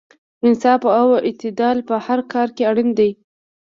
انصاف او اعتدال په هر کار کې اړین دی.